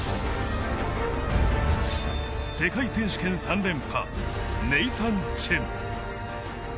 世界選手権３連覇、ネイサン・チェン。